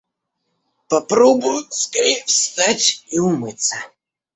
Попробую скорее встать и умыться.